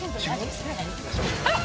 あっ！